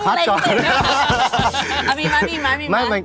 เอาคัดก่อน